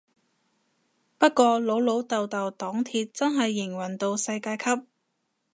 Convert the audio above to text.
不過老老豆豆黨鐵真係營運到世界級